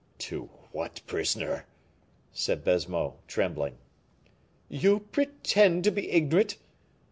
"To what prisoner?" said Baisemeaux, trembling. "You pretend to be ignorant?